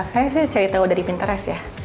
saya sih cerita dari pinterest ya